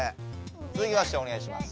つづきましておねがいします。